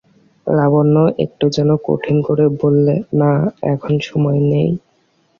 লাবণ্য একটু যেন কঠিন করে বললে, না, সময় নেই।